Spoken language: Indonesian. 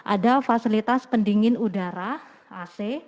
ada fasilitas pendingin udara ac